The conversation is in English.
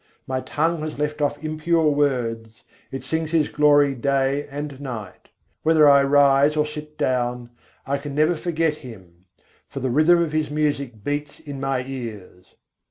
My tongue has left off impure words, it sings His glory day and night: Whether I rise or sit down, I can never forget Him; for the rhythm of His music beats in my ears.